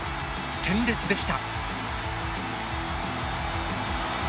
鮮烈でした。